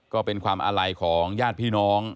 ก็เป็นความอาลัยของญาติพี่น้อง